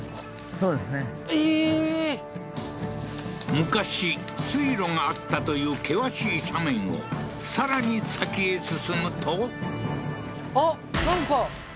昔水路があったという険しい斜面をさらに先へ進むとん？